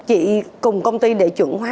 chị cùng công ty để chuẩn hóa